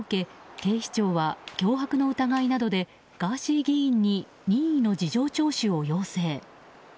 警視庁は脅迫の疑いなどでガーシー議員に任意の事情聴取を要請。